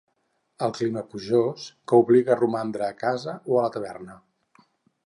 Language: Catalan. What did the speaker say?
El clima plujós, que obliga a romandre a casa o a la taverna.